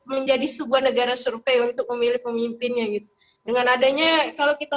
menjadi sebuah negara survei untuk memilih pemimpinnya gitu dengan adanya kalau kita